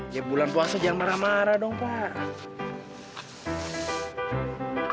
ya bulan puasa jangan marah marah dong pak